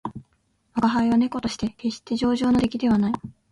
吾輩は猫として決して上乗の出来ではない